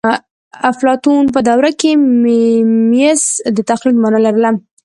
اپلاتون په دوره کې میمیسیس د تقلید مانا لرله